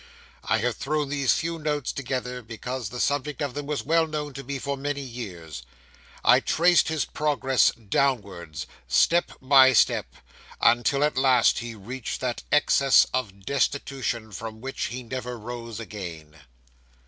I have thrown these few notes together, because the subject of them was well known to me for many years. I traced his progress downwards, step by step, until at last he reached that excess of destitution from which he never rose again.